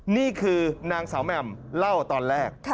นี่คือนางสาวแหม่มเล่าตอนแรก